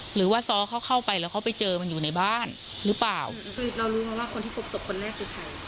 หรือว่าซ้อเขาเข้าไปแล้วเขาไปเจอมันอยู่ในบ้านหรือเปล่าคือเรารู้ไหมว่าคนที่พบศพคนแรกคือใคร